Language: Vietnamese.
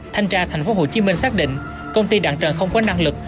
thanh tra thành phố hồ chí minh xác định công ty đặng trần không có năng lực